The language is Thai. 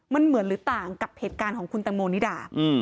มันเหมือนหรือต่างกับเหตุการณ์ของคุณตังโมนิดา